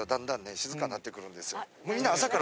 静かになってくるんですよ。